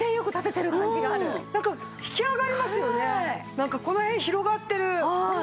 なんかこの辺広がってる胸が。